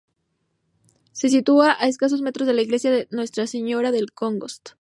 Se sitúa a escasos metros de la iglesia de Nuestra Señora del Congost.